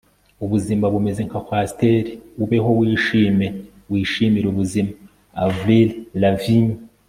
ubuzima bumeze nka coaster, ubeho, wishime, wishimire ubuzima. - avril lavigne